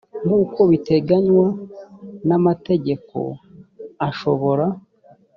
nk uko biteganywa n amategeko ashobora